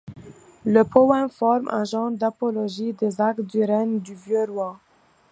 Le poème forme un genre d'apologie des actes du règne du vieux roi.